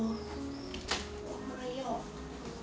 おはよう。